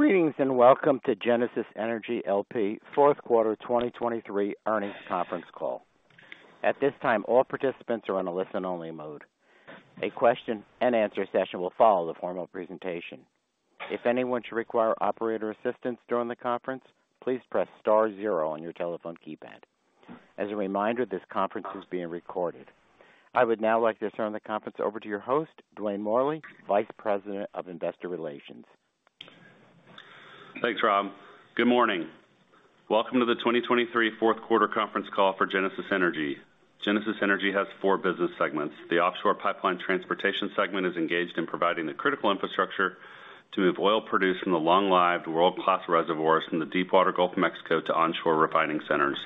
Greetings, and welcome to Genesis Energy LP fourth quarter 2023 earnings conference call. At this time, all participants are on a listen-only mode. A question-and-answer session will follow the formal presentation. If anyone should require operator assistance during the conference, please press star zero on your telephone keypad. As a reminder, this conference is being recorded. I would now like to turn the conference over to your host, Dwayne Morley, Vice President of Investor Relations. Thanks, Rob. Good morning. Welcome to the 2023 fourth quarter conference call for Genesis Energy. Genesis Energy has four business segments. The offshore pipeline transportation segment is engaged in providing the critical infrastructure to move oil produced from the long-lived world-class reservoirs in the deepwater Gulf of Mexico to onshore refining centers.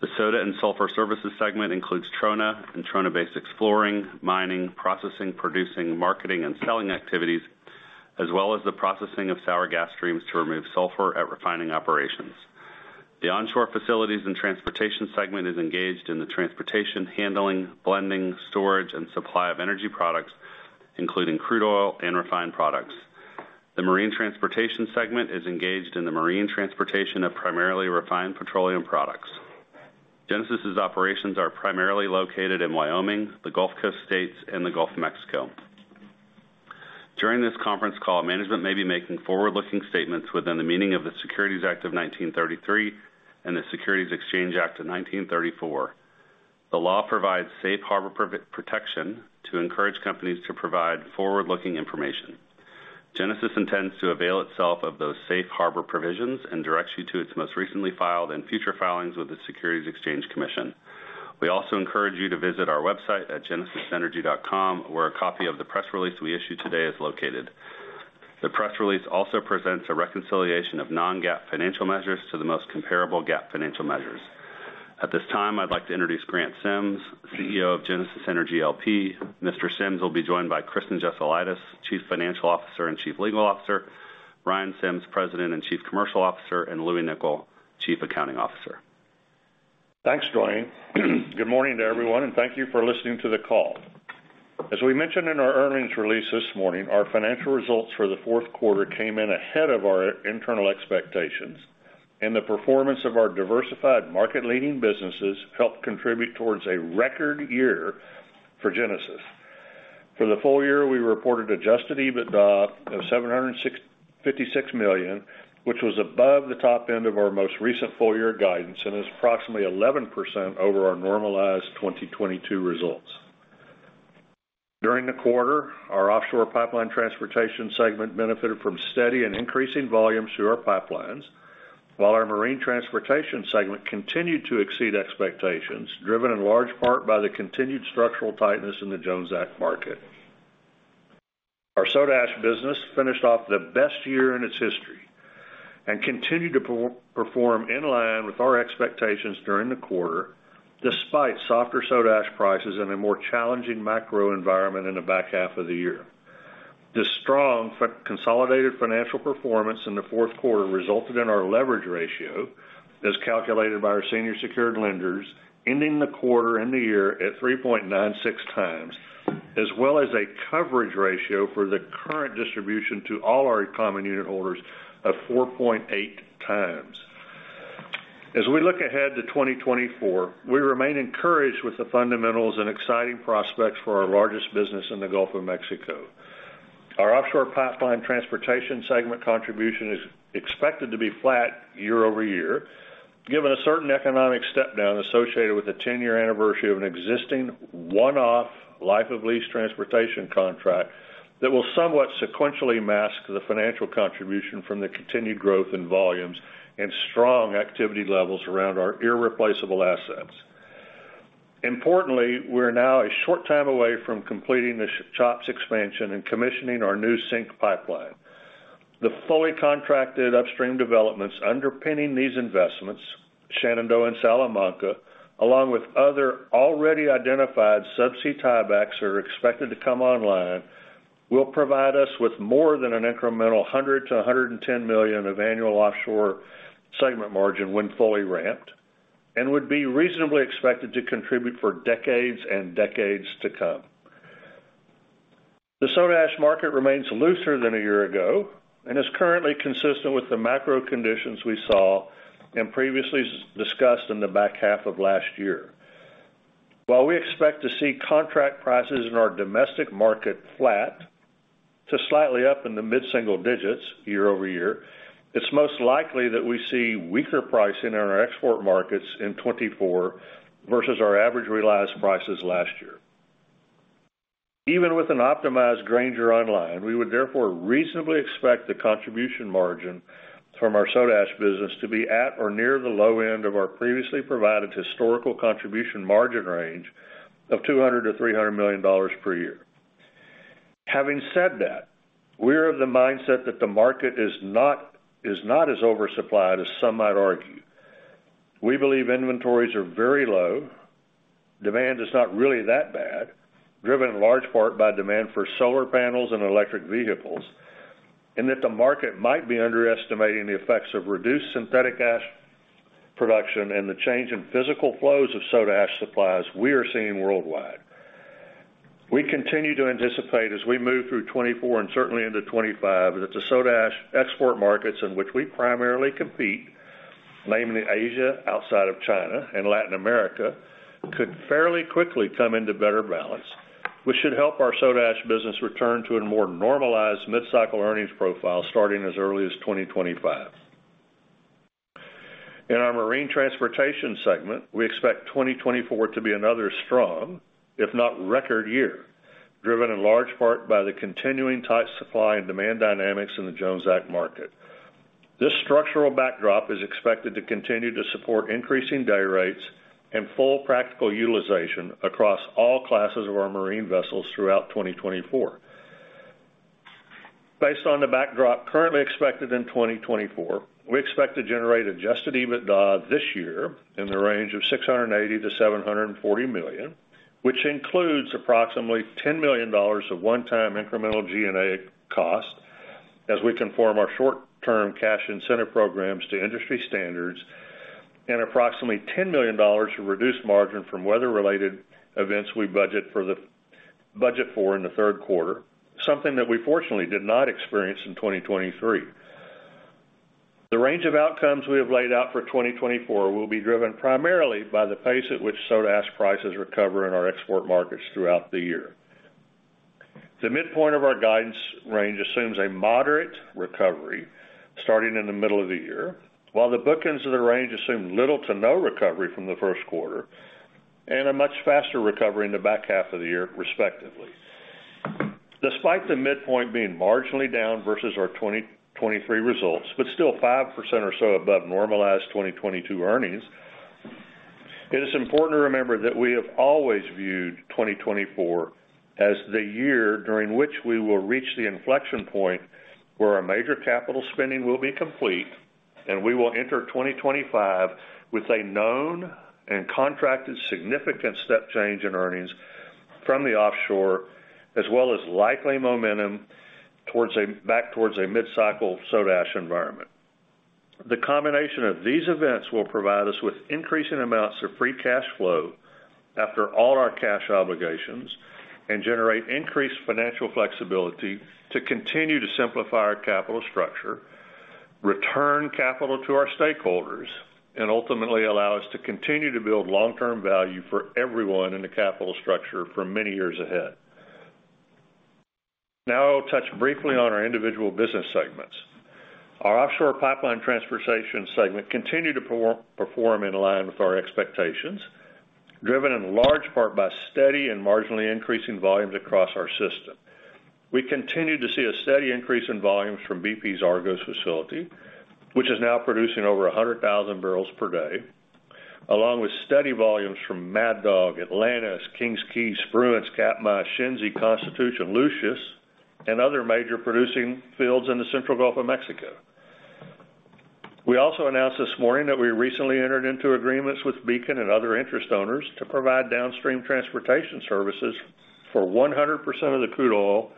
The soda and sulfur services segment includes trona and trona-based exploring, mining, processing, producing, marketing, and selling activities, as well as the processing of sour gas streams to remove sulfur at refining operations. The onshore facilities and transportation segment is engaged in the transportation, handling, blending, storage, and supply of energy products, including crude oil and refined products. The marine transportation segment is engaged in the marine transportation of primarily refined petroleum products. Genesis' operations are primarily located in Wyoming, the Gulf Coast states, and the Gulf of Mexico. During this conference call, management may be making forward-looking statements within the meaning of the Securities Act of 1933 and the Securities Exchange Act of 1934. The law provides safe harbor protection to encourage companies to provide forward-looking information. Genesis intends to avail itself of those safe harbor provisions and directs you to its most recently filed and future filings with the Securities Exchange Commission. We also encourage you to visit our website at genesisenergy.com, where a copy of the press release we issued today is located. The press release also presents a reconciliation of non-GAAP financial measures to the most comparable GAAP financial measures. At this time, I'd like to introduce Grant Sims, CEO of Genesis Energy LP. Mr. Sims will be joined by Kristen Jesulaitis, Chief Financial Officer and Chief Legal Officer, Ryan Sims, President and Chief Commercial Officer, and Louie Nicol, Chief Accounting Officer. Thanks, Dwayne. Good morning to everyone, and thank you for listening to the call. As we mentioned in our earnings release this morning, our financial results for the fourth quarter came in ahead of our internal expectations, and the performance of our diversified market-leading businesses helped contribute towards a record year for Genesis. For the full year, we reported Adjusted EBITDA of $756 million, which was above the top end of our most recent full year guidance and is approximately 11% over our normalized 2022 results. During the quarter, our offshore pipeline transportation segment benefited from steady and increasing volumes through our pipelines, while our marine transportation segment continued to exceed expectations, driven in large part by the continued structural tightness in the Jones Act market. Our soda ash business finished off the best year in its history and continued to perform in line with our expectations during the quarter, despite softer soda ash prices and a more challenging macro environment in the back half of the year. The strong consolidated financial performance in the fourth quarter resulted in our leverage ratio, as calculated by our senior secured lenders, ending the quarter and the year at 3.96x, as well as a coverage ratio for the current distribution to all our common unit holders of 4.8x. As we look ahead to 2024, we remain encouraged with the fundamentals and exciting prospects for our largest business in the Gulf of Mexico. Our offshore pipeline transportation segment contribution is expected to be flat year-over-year, given a certain economic step down associated with the 10-year anniversary of an existing one-off life of lease transportation contract that will somewhat sequentially mask the financial contribution from the continued growth in volumes and strong activity levels around our irreplaceable assets. Importantly, we're now a short time away from completing the CHOPS expansion and commissioning our new sink pipeline. The fully-contracted upstream developments underpinning these investments, Shenandoah and Salamanca, along with other already identified subsea tiebacks that are expected to come online, will provide us with more than an incremental $100 million-$110 million of annual offshore segment margin when fully ramped, and would be reasonably expected to contribute for decades and decades to come. The soda ash market remains looser than a year ago and is currently consistent with the macro conditions we saw and previously discussed in the back half of last year. While we expect to see contract prices in our domestic market flat to slightly up in the mid-single digits year-over-year, it's most likely that we see weaker pricing in our export markets in 2024 versus our average realized prices last year. Even with an optimized Granger online, we would therefore reasonably expect the contribution margin from soda ash business to be at or near the low end of our previously provided historical contribution margin range of $200 million-$300 million per year. Having said that, we are of the mindset that the market is not as oversupplied as some might argue. We believe inventories are very low, demand is not really that bad, driven in large part by demand for solar panels and electric vehicles, and that the market might be underestimating the effects of reduced synthetic ash production and the change in physical flows of soda ash supplies we are seeing worldwide. We continue to anticipate as we move through 2024 and certainly into 2025, that the soda ash export markets in which we primarily compete, namely Asia, outside of China and Latin America, could fairly quickly come into better balance, which should help soda ash business return to a more normalized mid-cycle earnings profile, starting as early as 2025. In our marine transportation segment, we expect 2024 to be another strong, if not record year, driven in large part by the continuing tight supply and demand dynamics in the Jones Act market. This structural backdrop is expected to continue to support increasing day rates and full practical utilization across all classes of our marine vessels throughout 2024. Based on the backdrop currently expected in 2024, we expect to generate Adjusted EBITDA this year in the range of $680 million-$740 million, which includes approximately $10 million of one-time incremental G&A cost as we conform our short-term cash incentive programs to industry standards, and approximately $10 million to reduce margin from weather-related events we budget for in the third quarter, something that we fortunately did not experience in 2023. The range of outcomes we have laid out for 2024 will be driven primarily by the pace at which soda ash prices recover in our export markets throughout the year. The midpoint of our guidance range assumes a moderate recovery starting in the middle of the year, while the bookends of the range assume little to no recovery from the first quarter, and a much faster recovery in the back half of the year, respectively. Despite the midpoint being marginally down versus our 2023 results, but still 5% or so above normalized 2022 earnings, it is important to remember that we have always viewed 2024 as the year during which we will reach the inflection point where our major capital spending will be complete, and we will enter 2025 with a known and contracted significant step change in earnings from the offshore, as well as likely momentum towards a back towards a mid-cycle soda ash environment. The combination of these events will provide us with increasing amounts of free cash flow after all our cash obligations, and generate increased financial flexibility to continue to simplify our capital structure, return capital to our stakeholders, and ultimately allow us to continue to build long-term value for everyone in the capital structure for many years ahead. Now, I'll touch briefly on our individual business segments. Our offshore pipeline transportation segment continued to perform in line with our expectations, driven in large part by steady and marginally increasing volumes across our system. We continued to see a steady increase in volumes from BP's Argos facility, which is now producing over 100,000 bbl per day, along with steady volumes from Mad Dog, Atlantis, King's Quay, Spruance, Katmai, Shenzi, Constitution, Lucius, and other major producing fields in the Central Gulf of Mexico. We also announced this morning that we recently entered into agreements with Beacon and other interest owners to provide downstream transportation services for 100% of the crude oil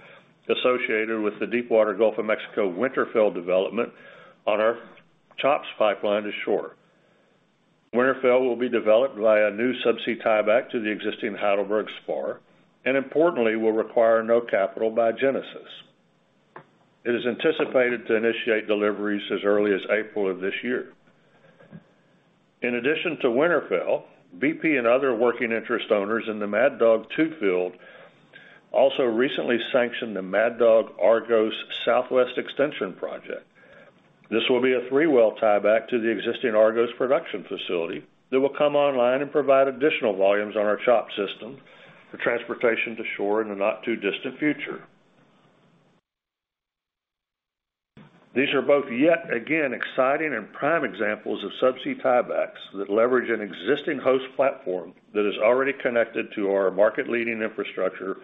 associated with the deepwater Gulf of Mexico Winterfell development on our CHOPS pipeline to shore. Winterfell will be developed via a new subsea tieback to the existing Heidelberg spar, and importantly, will require no capital by Genesis. It is anticipated to initiate deliveries as early as April of this year. In addition to Winterfell, BP and other working interest owners in the Mad Dog 2 field also recently sanctioned the Mad Dog Argos Southwest Extension Project. This will be a three-well tieback to the existing Argos production facility that will come online and provide additional volumes on our CHOPS system for transportation to shore in the not-too-distant future. These are both yet again, exciting and prime examples of subsea tiebacks that leverage an existing host platform that is already connected to our market-leading infrastructure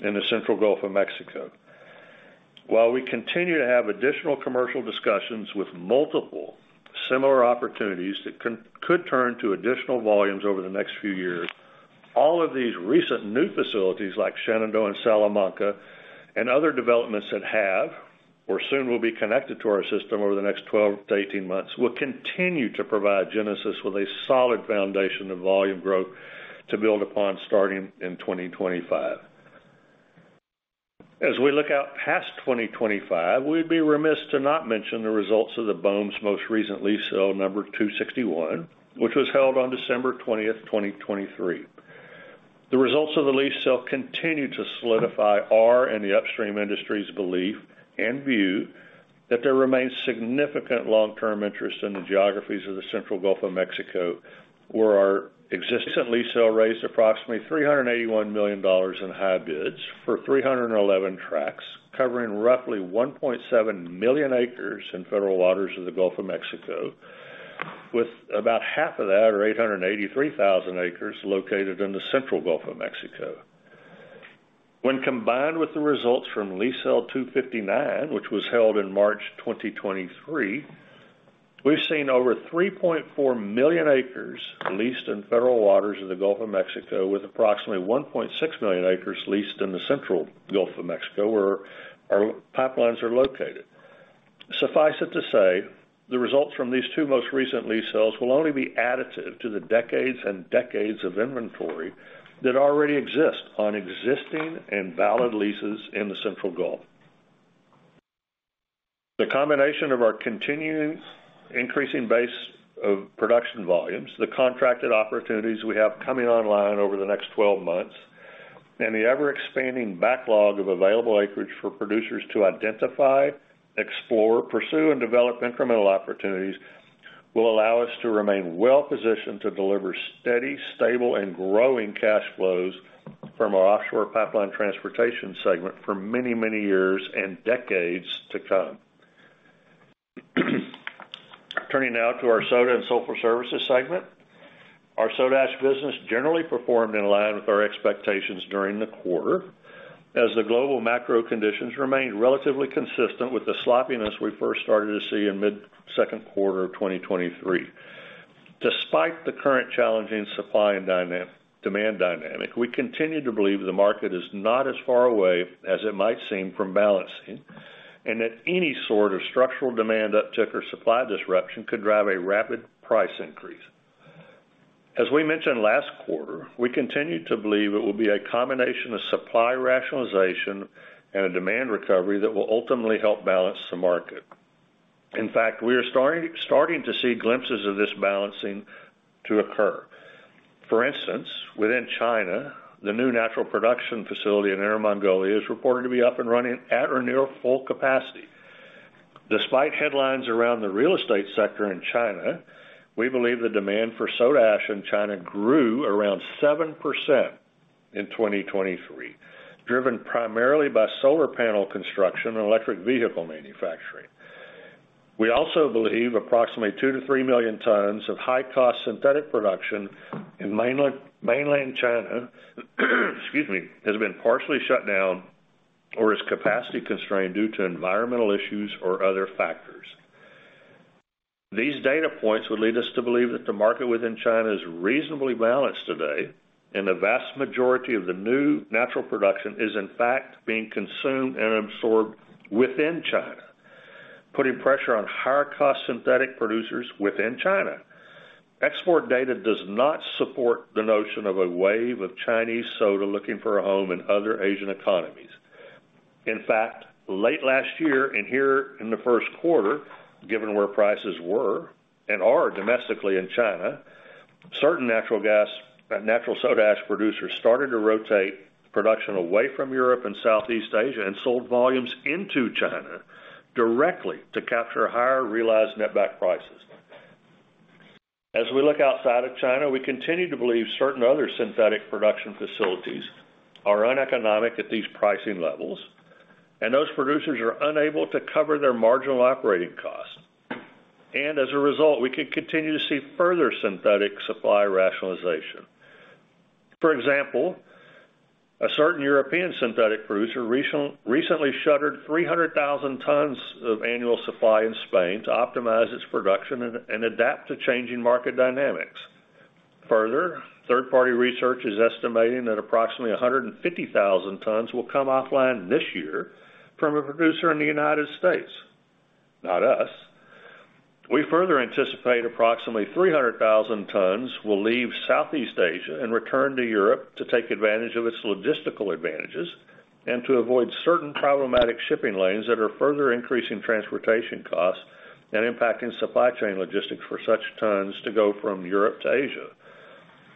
in the Central Gulf of Mexico. While we continue to have additional commercial discussions with multiple similar opportunities that could turn to additional volumes over the next few years, all of these recent new facilities, like Shenandoah and Salamanca, and other developments that have or soon will be connected to our system over the next 12-18 months, will continue to provide Genesis with a solid foundation of volume growth to build upon starting in 2025. As we look out past 2025, we'd be remiss to not mention the results of the BOEM's most recent lease sale, number 261, which was held on December 20th, 2023. The results of the lease sale continue to solidify our and the upstream industry's belief and view that there remains significant long-term interest in the geographies of the Central Gulf of Mexico, where our existing lease sale raised approximately $381 million in high bids for 311 tracts, covering roughly 1.7 million acres in federal waters of the Gulf of Mexico, with about half of that, or 883,000 acres, located in the Central Gulf of Mexico. When combined with the results from Lease Sale 259, which was held in March 2023, we've seen over 3.4 million acres leased in federal waters of the Gulf of Mexico, with approximately 1.6 million acres leased in the Central Gulf of Mexico, where our pipelines are located. Suffice it to say, the results from these two most recent lease sales will only be additive to the decades and decades of inventory that already exist on existing and valid leases in the Central Gulf. The combination of our continuing increasing base of production volumes, the contracted opportunities we have coming online over the next 12 months, and the ever-expanding backlog of available acreage for producers to identify, explore, pursue, and develop incremental opportunities, will allow us to remain well-positioned to deliver steady, stable, and growing cash flows from our offshore pipeline transportation segment for many, many years and decades to come. Turning now to our Soda and Sulfur Services segment. soda ash business generally performed in line with our expectations during the quarter, as the global macro conditions remained relatively consistent with the sloppiness we first started to see in mid-second quarter of 2023. Despite the current challenging supply and demand dynamic, we continue to believe the market is not as far away as it might seem from balancing, and that any sort of structural demand uptick or supply disruption could drive a rapid price increase. As we mentioned last quarter, we continue to believe it will be a combination of supply rationalization and a demand recovery that will ultimately help balance the market. In fact, we are starting to see glimpses of this balancing to occur. For instance, within China, the new natural production facility in Inner Mongolia is reported to be up and running at or near full capacity. Despite headlines around the real estate sector in China, we believe the demand for soda ash in China grew around 7% in 2023, driven primarily by solar panel construction and electric vehicle manufacturing. We also believe approximately 2 million tons-3 million tons of high-cost synthetic production in mainland, Mainland China, excuse me, has been partially shut down or is capacity constrained due to environmental issues or other factors. These data points would lead us to believe that the market within China is reasonably balanced today, and the vast majority of the new natural production is, in fact, being consumed and absorbed within China, putting pressure on higher-cost synthetic producers within China. Export data does not support the notion of a wave of Chinese soda looking for a home in other Asian economies. In fact, late last year, and here in the first quarter, given where prices were and are domestically in China, certain natural soda ash producers started to rotate production away from Europe and Southeast Asia and sold volumes into China directly to capture higher realized net-back prices. As we look outside of China, we continue to believe certain other synthetic production facilities are uneconomic at these pricing levels, and those producers are unable to cover their marginal operating costs. And as a result, we could continue to see further synthetic supply rationalization. For example, a certain European synthetic producer recently shuttered 300,000 tons of annual supply in Spain to optimize its production and adapt to changing market dynamics. Further, third-party research is estimating that approximately 150,000 tons will come offline this year from a producer in the United States, not us. We further anticipate approximately 300,000 tons will leave Southeast Asia and return to Europe to take advantage of its logistical advantages and to avoid certain problematic shipping lanes that are further increasing transportation costs and impacting supply chain logistics for such tons to go from Europe to Asia.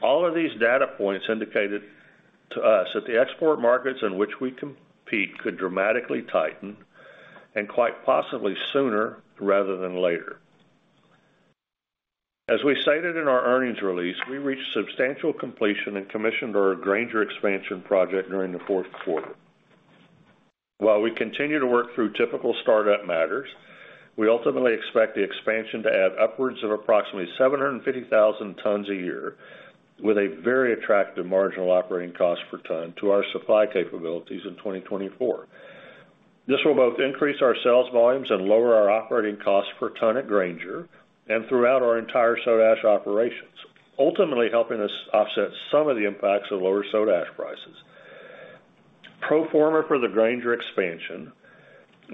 All of these data points indicated to us that the export markets in which we compete could dramatically tighten and quite possibly sooner rather than later. As we stated in our earnings release, we reached substantial completion and commissioned our Granger expansion project during the fourth quarter. While we continue to work through typical startup matters, we ultimately expect the expansion to add upwards of approximately 750,000 tons a year, with a very attractive marginal operating cost per ton to our supply capabilities in 2024. This will both increase our sales volumes and lower our operating costs per ton at Granger and throughout our entire soda ash operations, ultimately helping us offset some of the impacts of lower soda ash prices. Pro forma for the Granger expansion,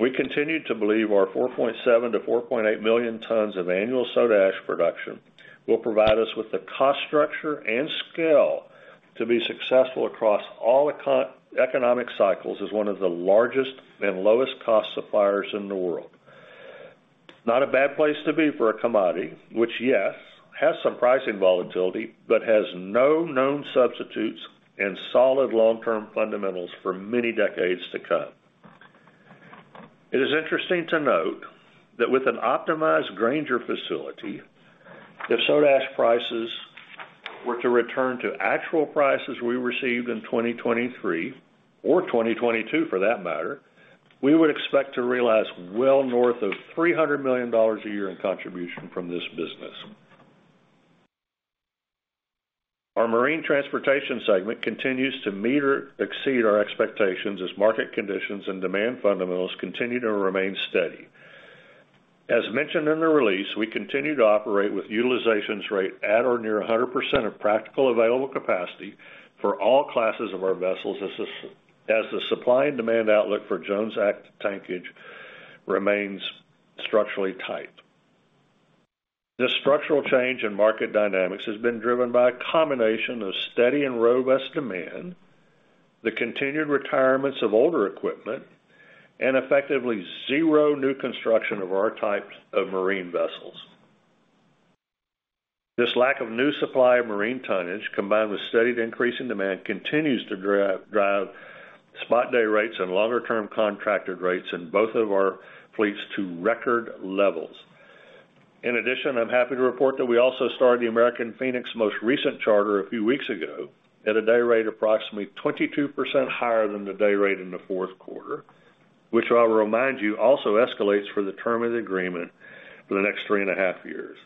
we continue to believe our 4.7 million tons-4.8 million tons of annual soda ash production will provide us with the cost structure and scale to be successful across all economic cycles as one of the largest and lowest cost suppliers in the world. Not a bad place to be for a commodity, which, yes, has some pricing volatility, but has no known substitutes and solid long-term fundamentals for many decades to come. It is interesting to note that with an optimized Granger facility, if soda ash prices were to return to actual prices we received in 2023 or 2022, for that matter, we would expect to realize well north of $300 million a year in contribution from this business. Our marine transportation segment continues to meet or exceed our expectations as market conditions and demand fundamentals continue to remain steady. As mentioned in the release, we continue to operate with utilization rate at or near 100% of practical available capacity for all classes of our vessels, as the supply and demand outlook for Jones Act tankage remains structurally tight. This structural change in market dynamics has been driven by a combination of steady and robust demand, the continued retirements of older equipment, and effectively zero new construction of our types of marine vessels. This lack of new supply of marine tonnage, combined with steady increase in demand, continues to drive spot day rates and longer-term contracted rates in both of our fleets to record levels. In addition, I'm happy to report that we also started the American Phoenix most recent charter a few weeks ago at a day rate approximately 22% higher than the day rate in the fourth quarter, which I'll remind you, also escalates for the term of the agreement for the next three and a half years.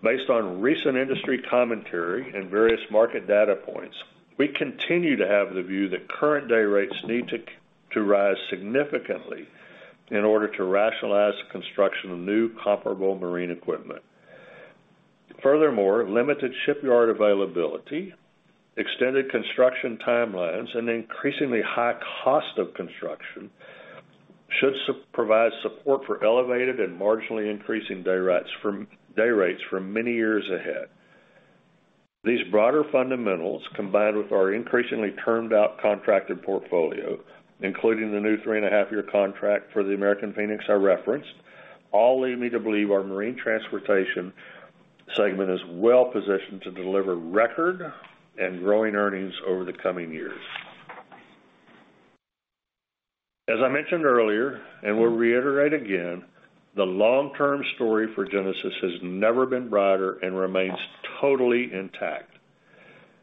Based on recent industry commentary and various market data points, we continue to have the view that current day rates need to rise significantly in order to rationalize the construction of new comparable marine equipment. Furthermore, limited shipyard availability, extended construction timelines, and increasingly high cost of construction should provide support for elevated and marginally increasing day rates for many years ahead. These broader fundamentals, combined with our increasingly termed out contracted portfolio, including the new three and a half year contract for the American Phoenix I referenced, all lead me to believe our marine transportation segment is well positioned to deliver record and growing earnings over the coming years. As I mentioned earlier, and will reiterate again, the long-term story for Genesis has never been brighter and remains totally intact.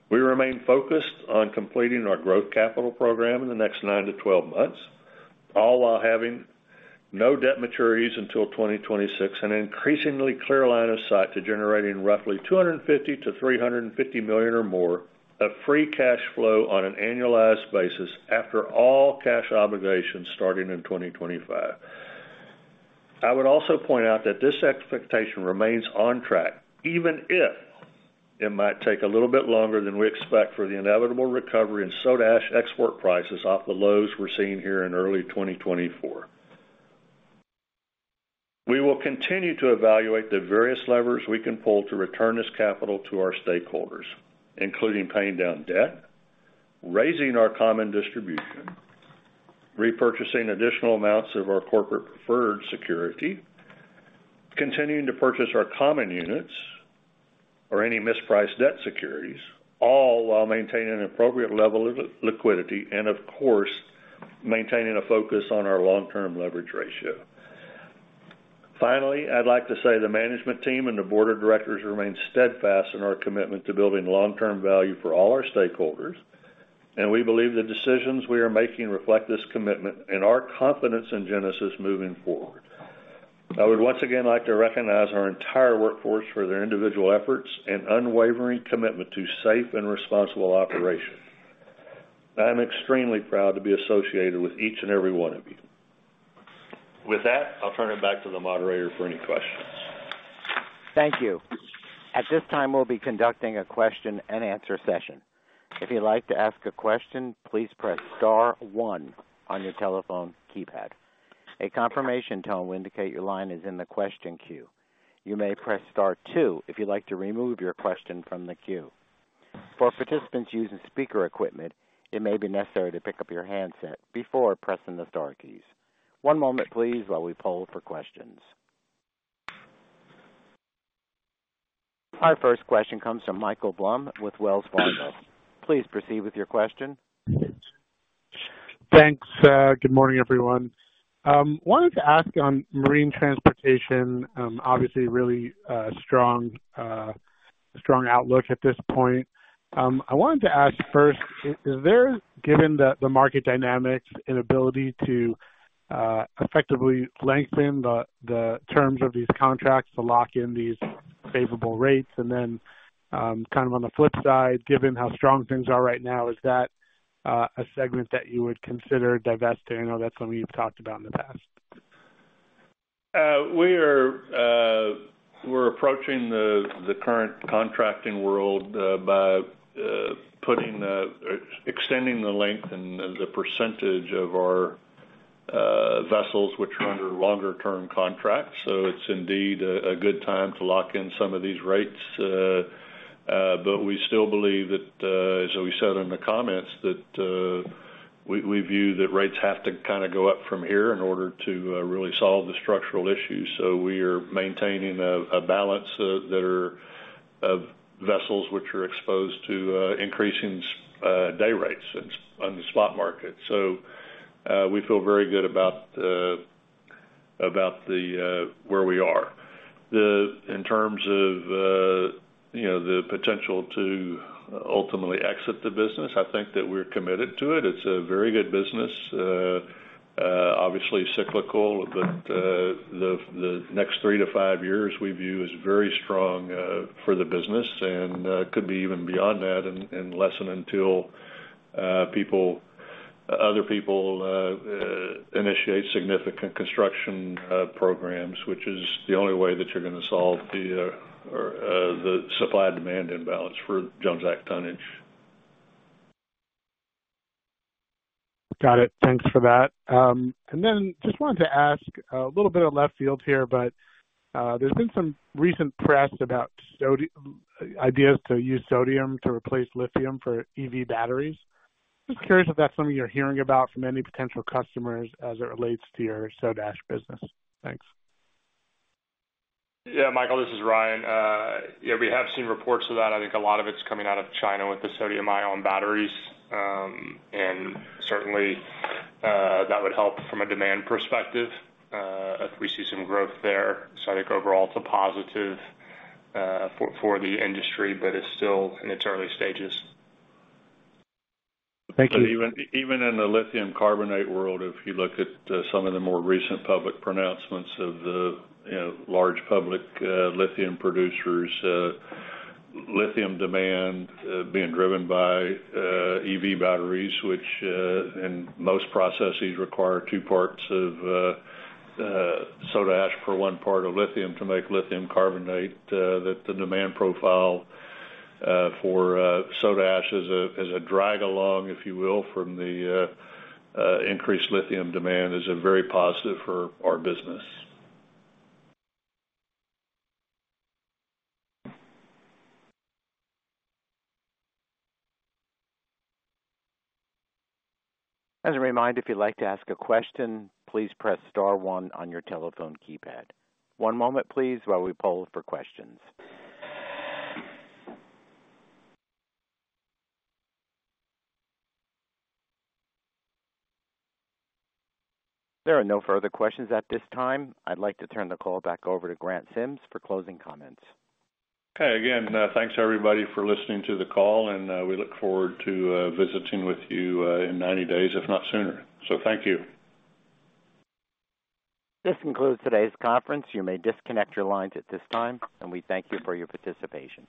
We remain focused on completing our growth capital program in the next nine to 12 months, all while having no debt maturities until 2026, and an increasingly clear line of sight to generating roughly $250 million-$350 million or more of free cash flow on an annualized basis after all cash obligations starting in 2025. I would also point out that this expectation remains on track, even if it might take a little bit longer than we expect for the inevitable recovery in soda ash export prices off the lows we're seeing here in early 2024. We will continue to evaluate the various levers we can pull to return this capital to our stakeholders, including paying down debt, raising our common distribution, repurchasing additional amounts of our corporate preferred security, continuing to purchase our common units or any mispriced debt securities, all while maintaining an appropriate level of liquidity and, of course, maintaining a focus on our long-term leverage ratio. Finally, I'd like to say the management team and the board of directors remain steadfast in our commitment to building long-term value for all our stakeholders, and we believe the decisions we are making reflect this commitment and our confidence in Genesis moving forward. I would once again like to recognize our entire workforce for their individual efforts and unwavering commitment to safe and responsible operation. I'm extremely proud to be associated with each and every one of you. With that, I'll turn it back to the moderator for any questions. Thank you. At this time, we'll be conducting a question-and-answer session. If you'd like to ask a question, please press star one on your telephone keypad. A confirmation tone will indicate your line is in the question queue. You may press star two if you'd like to remove your question from the queue. For participants using speaker equipment, it may be necessary to pick up your handset before pressing the star keys. One moment, please, while we poll for questions. Our first question comes from Michael Blum with Wells Fargo. Please proceed with your question. Thanks. Good morning, everyone. Wanted to ask on marine transportation, obviously, really strong outlook at this point. I wanted to ask first, is there, given the market dynamics inability to effectively lengthen the terms of these contracts to lock in these favorable rates? And then, kind of on the flip side, given how strong things are right now, is that a segment that you would consider divesting? I know that's something you've talked about in the past. We are approaching the current contracting world by extending the length and the percentage of our vessels which are under longer-term contracts. So it's indeed a good time to lock in some of these rates, but we still believe that, as we said in the comments, we view that rates have to kind of go up from here in order to really solve the structural issues. So we are maintaining a balance of vessels which are exposed to increasing day rates on the spot market. So we feel very good about where we are. In terms of, you know, the potential to ultimately exit the business, I think that we're committed to it. It's a very good business, obviously cyclical, but the next three to five years, we view as very strong for the business, and could be even beyond that, and lessen until people... other people initiate significant construction programs, which is the only way that you're gonna solve the supply-demand imbalance for Jones Act tonnage. Got it. Thanks for that. And then just wanted to ask a little bit of left field here, but, there's been some recent press about sodium-ion ideas to use sodium to replace lithium for EV batteries. Just curious if that's something you're hearing about from any potential customers as it relates to soda ash business? thanks. Yeah, Michael, this is Ryan. Yeah, we have seen reports of that. I think a lot of it's coming out of China with the sodium ion batteries. And certainly, that would help from a demand perspective, if we see some growth there. So I think overall, it's a positive for the industry, but it's still in its early stages. Thank you. But even in the lithium carbonate world, if you look at some of the more recent public pronouncements of the large public lithium producers, lithium demand being driven by EV batteries, which and most processes require 2 parts of soda ash per 1 part of lithium to make lithium carbonate, that the demand profile for soda ash is a drag along, if you will, from the increased lithium demand is a very positive for our business. As a reminder, if you'd like to ask a question, please press star one on your telephone keypad. One moment, please, while we poll for questions. There are no further questions at this time. I'd like to turn the call back over to Grant Sims for closing comments. Okay. Again, thanks, everybody, for listening to the call, and we look forward to visiting with you in 90 days, if not sooner. So thank you. This concludes today's conference. You may disconnect your lines at this time, and we thank you for your participation.